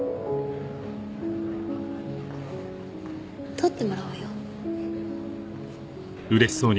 撮ってもらおうよ。